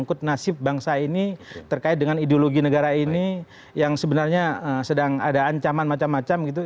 ikut nasib bangsa ini terkait dengan ideologi negara ini yang sebenarnya sedang ada ancaman macam macam gitu